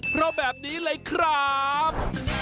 เพราะแบบนี้เลยครับ